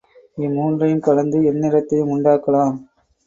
இம்மூன்றையுங் கலந்து எந்நிறத்தையும் உண்டாக்கலாம்.